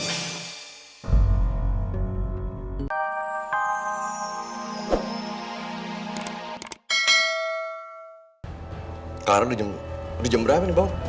sekarang udah jam berapa nih bang